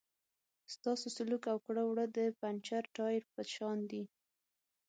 ستاسو سلوک او کړه وړه د پنچر ټایر په شان دي.